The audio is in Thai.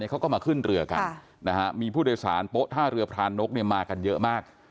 เขาก็มาขึ้นเรือกันมีผู้โดยสารโป๊ะท่าเรือพรานกมากันเยอะมาก